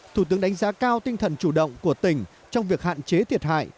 thủ tướng đánh giá cao tinh thần chủ động của tỉnh trong việc hạn chế thiệt hại